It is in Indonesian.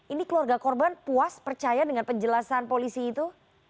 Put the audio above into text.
ini keluarga korban puas percaya dengan penjelasan polisi itu